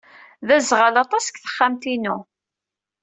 D aẓɣal aṭas deg texxamt-inu.